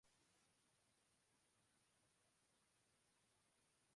横のものを縦に直す、ということが、実は、